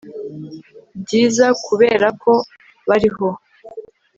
byiza Kuberako bariho